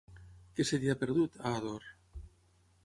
Què se t'hi ha perdut, a Ador?